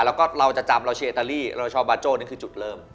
แล้วก็เราจะจำเราเชียร์อิตาลีเราชอบบาโจ้นี่คือจุดเริ่ม